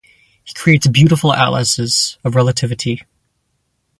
He creates beautiful atlases of relativity.